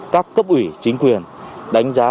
các cấp ủy chính quyền đánh giá